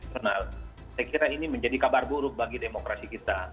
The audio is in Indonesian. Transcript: saya kira ini menjadi kabar buruk bagi demokrasi kita